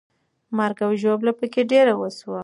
مرګ او ژوبله پکې ډېره وسوه.